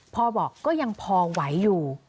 พ่อบอกก็ยังพอไหวอยู่